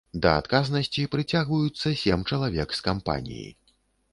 Да адказнасці прыцягваюцца сем чалавек з кампаніі.